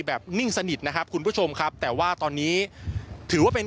นิ่งสนิทนะครับคุณผู้ชมครับแต่ว่าตอนนี้ถือว่าเป็น